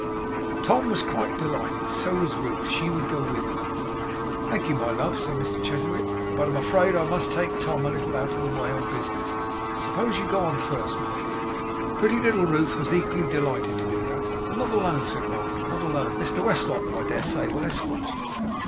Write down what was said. Tom was quite delighted. So was Ruth. She would go with them. 'Thank you, my love,' said Mr Chuzzlewit. 'But I am afraid I must take Tom a little out of the way, on business. Suppose you go on first, my dear?' Pretty little Ruth was equally delighted to do that. 'But not alone,' said Martin, 'not alone. Mr Westlock, I dare say, will escort you.